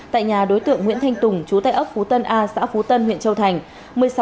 tại nhà đối tượng nguyễn thanh tùng chú tại ấp phú tân a xã phú tân huyện châu thành